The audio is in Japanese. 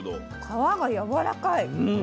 皮がやわらかい。